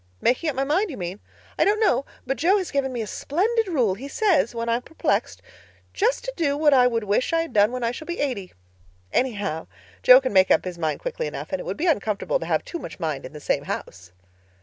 "Making up my mind, you mean? I don't know, but Jo has given me a splendid rule. He says, when I'm perplexed, just to do what I would wish I had done when I shall be eighty. Anyhow, Jo can make up his mind quickly enough, and it would be uncomfortable to have too much mind in the same house."